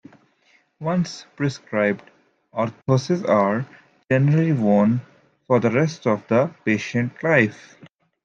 Once prescribed, orthoses are generally worn for the rest of the patient's life.